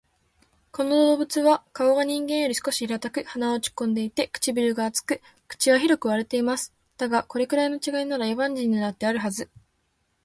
この動物は顔が人間より少し平たく、鼻は落ち込んでいて、唇が厚く、口は広く割れています。だが、これくらいの違いなら、野蛮人にだってあるはず